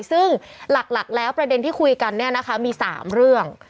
ซึ่งหลักแล้วประเด็นที่คุยกันมี๓เรื่อง